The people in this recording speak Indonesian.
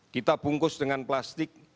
kita bungkus dengan plastik